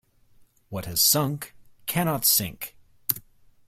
What has sunk, cannot sink.